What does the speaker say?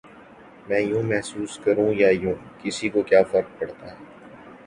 میں یوں محسوس کروں یا یوں، کسی کو کیا فرق پڑتا ہے؟